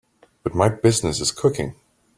But my business is cooking.